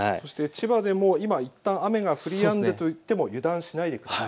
千葉でも雨が降りやんだといっても油断しないでください。